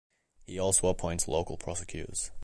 He also appoints local prosecutors.